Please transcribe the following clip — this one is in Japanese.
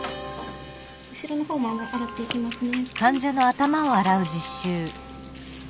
後ろの方も洗っていきますね。